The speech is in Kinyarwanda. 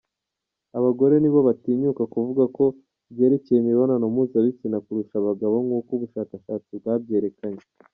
Abagore nibo batinyuka kuvuga ku byerekeye imibonano mpuzabitsina kurusha abagabo nk’uko ubushakashatsi bwabyerekanye.